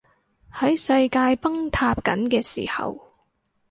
喺世界崩塌緊嘅時候